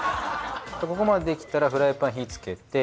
ここまでできたらフライパン火つけて。